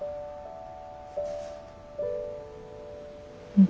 うん。